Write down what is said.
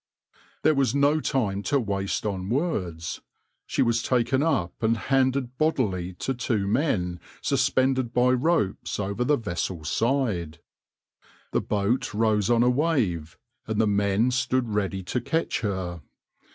There was no time to waste on words. She was taken up and handed bodily to two men suspended by ropes over the vessel's side. The boat rose on a wave, and the men stood ready to catch her.